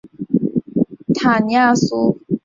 塔尼亚苏是巴西巴伊亚州的一个市镇。